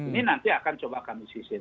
ini nanti akan coba kami sisir